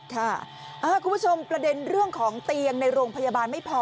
คุณผู้ชมประเด็นเรื่องของเตียงในโรงพยาบาลไม่พอ